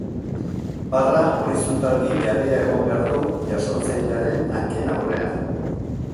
Barra, horizontalki jarria egon behar du jasotzailearen hanken aurrean.